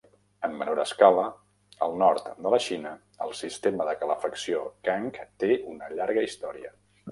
En menor escala, al nord de la Xina el sistema de calefacció Kang té una llarga història.